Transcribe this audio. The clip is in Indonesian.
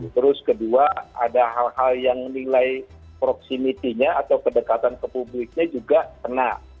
terus kedua ada hal hal yang nilai proximity nya atau kedekatan ke publiknya juga kena